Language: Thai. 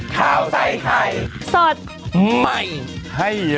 ข้าวใส่ไข่สดใหม่ให้เยอะ